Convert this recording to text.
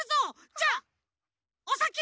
じゃあおさき！